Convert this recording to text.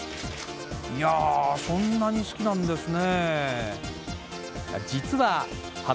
いや、そんなに好きなんですね。